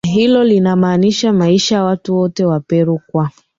hilo linamaanisha maisha watu wote wa Peru kwa